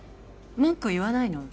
文句言わないの？